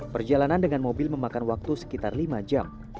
perjalanan dengan mobil memakan waktu sekitar lima jam